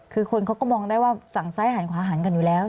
คือคนเขาก็มองได้ว่าสั่งซ้ายหันขวาหันกันอยู่แล้ว